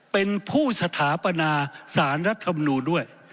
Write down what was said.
เป็นผู้สถาปนาสารรัฐธรรมนูลด้วย